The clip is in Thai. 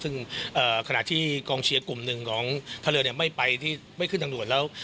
ซึ่งขณะที่กองเชียร์กลุ่มนึงของทะเลน่ะไม่ไปและขึ้นทางดูกดแล้ว